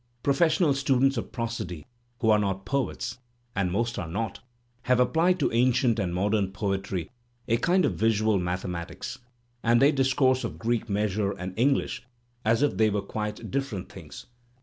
Professional students of prosody who are not poets (and most are not) have applied to ancient and modem poetry a kind of visual mathematics, and they discourse of Greek measures and English as if they were quite different things.